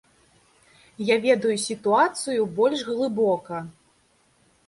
Я ведаю сітуацыю больш глыбока.